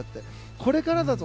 これからだと。